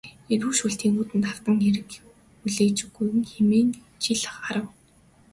Эрүү шүүлтийн хүндэд автан хэрэг хүлээгүүжин хэмээн жил харав.